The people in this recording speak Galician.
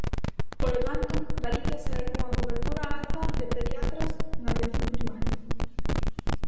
Polo tanto, Galicia segue cunha cobertura alta de pediatras en atención primaria.